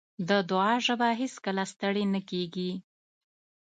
د دعا ژبه هېڅکله ستړې نه کېږي.